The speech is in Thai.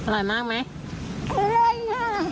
อร่อยมากไหม